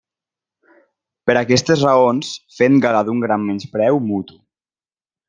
Per aquestes raons, fent gala d'un gran menyspreu mutu.